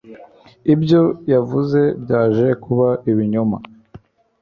ibyo yavuze byaje kuba ibinyoma